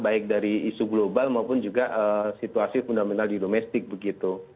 baik dari isu global maupun juga situasi fundamental di domestik begitu